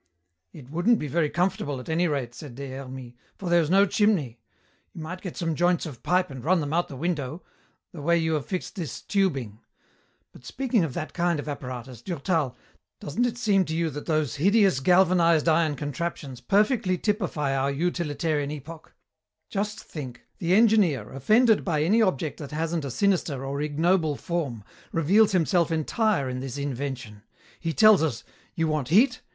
"It wouldn't be very comfortable at any rate," said Des Hermies, "for there is no chimney. You might get some joints of pipe and run them out of the window, the way you have fixed this tubing. But, speaking of that kind of apparatus, Durtal, doesn't it seem to you that those hideous galvanized iron contraptions perfectly typify our utilitarian epoch? "Just think, the engineer, offended by any object that hasn't a sinister or ignoble form, reveals himself entire in this invention. He tells us, 'You want heat.